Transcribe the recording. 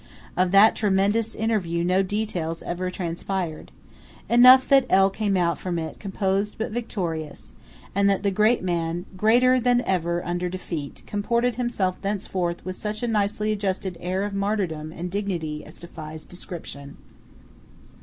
Of that tremendous interview no details ever transpired. Enough that L. came out from it composed but victorious; and that the great man, greater than ever under defeat, comported himself thenceforth with such a nicely adjusted air of martyrdom and dignity as defies description.